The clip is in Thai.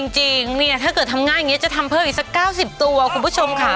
จริงเนี่ยถ้าเกิดทำง่ายอย่างนี้จะทำเพิ่มอีกสัก๙๐ตัวคุณผู้ชมค่ะ